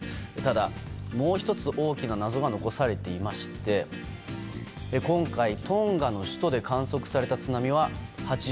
ただ、もう１つ大きな謎が残されていまして今回、トンガの首都で観測された津波は８０ｃｍ。